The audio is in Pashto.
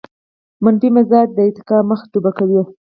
منفي مزاج د ارتقاء مخه ډب کوي.